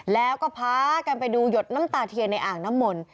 แล้วก็พากันไปดูหยดน้ำตาเทียนในอ่างน้ำมนต์